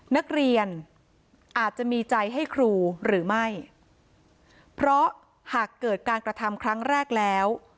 นักเรียนอาจจะมีใจให้ครูหรือไม่เพราะหากเกิดการกระทำครั้งแรกแล้ว